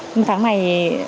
nhưng tháng này